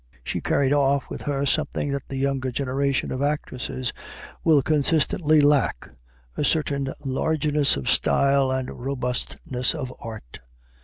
She carried off with her something that the younger generation of actresses will consistently lack a certain largeness of style and robustness of art.